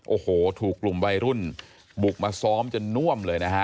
โอ้โหถูกกลุ่มวัยรุ่นบุกมาซ้อมจนน่วมเลยนะฮะ